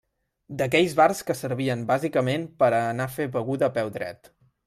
D'aquells bars que servien bàsicament per a anar a fer beguda a peu dret.